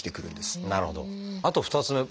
あと２つ目。